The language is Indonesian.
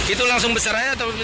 itu langsung besar aja atau besar apa